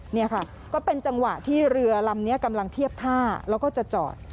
นี่ค่ะก็เป็นจังหวะที่เรือลำนี้กำลังเทียบท่าแล้วก็จะจอด